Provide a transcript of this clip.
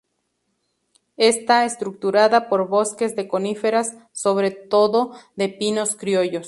Está estructurada por bosques de coníferas, sobre todo de pinos criollos.